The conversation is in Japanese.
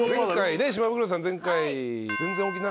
島袋さん前回。